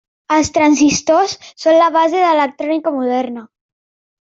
Els transistors són la base de l'electrònica moderna.